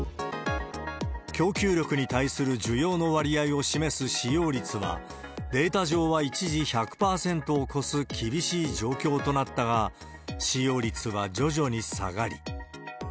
供給力に対する需要の割合を示す使用率は、データ上は一時１００％を超す厳しい状況となったが、使用率は徐々に下がり。